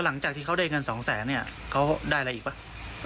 หลังจากที่เขาได้เงิน๒แสนเนี่ยเขาได้อะไรอีกป่ะ